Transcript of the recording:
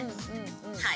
はい。